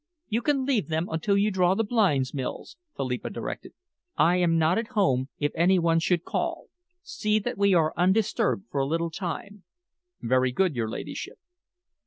"You can leave them until you draw the blinds, Mills," Philippa directed. "I am not at home, if any one should call. See that we are undisturbed for a little time." "Very good, your ladyship."